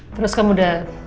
terus kamu udah